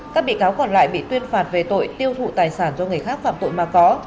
các bị cáo còn lại bị tuyên phạt về tội tiêu thụ tài sản do người khác phạm tội mà có